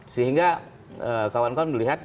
sehingga kawan kawan melihat